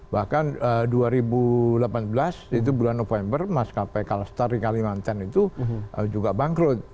bahkan dua ribu delapan belas itu bulan november maskapai kalstar di kalimantan itu juga bangkrut